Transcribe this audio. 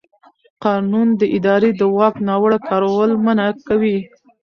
قانون د ادارې د واک ناوړه کارول منع کوي.